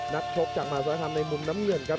นัดชกจากมาซาทำในมุมน้ำเงินครับ